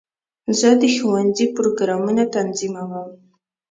زه د ښوونځي پروګرامونه تنظیموم.